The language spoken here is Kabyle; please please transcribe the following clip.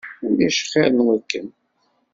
Ulac xir n wakken.